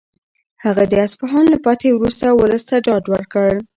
هغه د اصفهان له فتحې وروسته ولس ته ډاډ ورکړ.